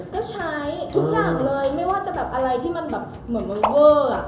ก็ใช้ทุกอย่างเลยไม่ว่าจะแบบอะไรที่มันแบบเหมือนเวอร์